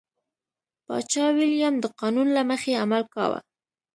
پاچا ویلیم د قانون له مخې عمل کاوه.